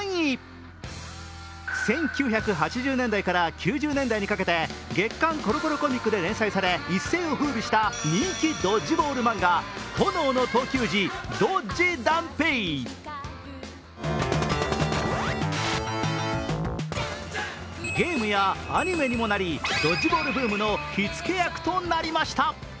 １９８０年代から９０年代にかけて「月刊コロコロコミック」に連載され一世を風靡した人気ジッドボール漫画「炎の闘球児ドッジ弾平」ゲームやアニメにもなりドッジボールゲームの火付け役となりました。